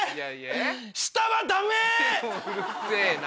うるせぇな。